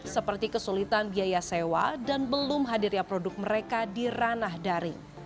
seperti kesulitan biaya sewa dan belum hadirnya produk mereka di ranah dari